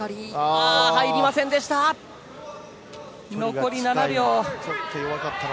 残り７秒。